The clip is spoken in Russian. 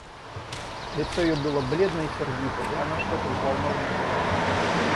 Лицо ее было бледно и сердито, и она что-то взволнованно говорила.